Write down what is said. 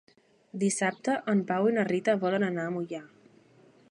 Dissabte en Pau i na Rita volen anar a Moià.